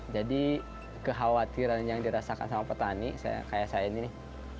jadi kekhawatiran yang dirasakan sama petani kayak saya ini nih